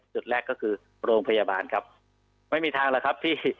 จุดแรกก็คือโรงพยาบาลครับไม่มีทางแล้วครับที่